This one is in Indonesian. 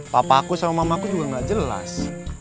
papaku sama mamaku juga gak jelas